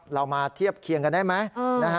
เรามาเทียบเคียงกันได้ไหม